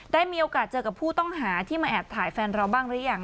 ได้มีโอกาสเจอกับผู้ต้องหาที่มาแอบถ่ายแฟนเราบ้างหรือยัง